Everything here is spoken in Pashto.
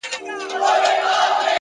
د ریل سټېشن شور د تګ احساس زیاتوي,